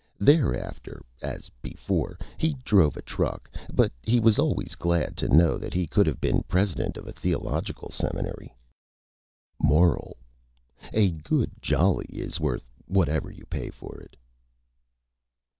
Thereafter, as before, he drove a Truck, but he was always glad to know that he could have been President of a Theological Seminary. Moral: _A good Jolly is worth Whatever you Pay for it.